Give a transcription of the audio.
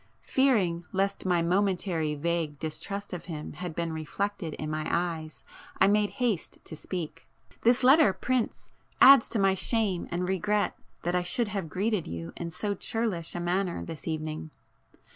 Fearing lest my momentary vague distrust of him had been reflected in my eyes I made haste to speak— "This letter, prince, adds to my shame and regret that I should have greeted you in so churlish a manner this evening.